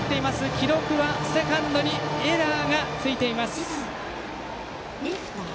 記録はセカンドにエラーがついています。